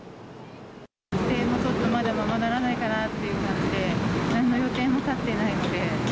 帰省もちょっとまだままならないかなという感じで、なんの予定も立ってないので。